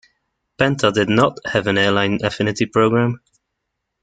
Penta did not have an airline affinity program.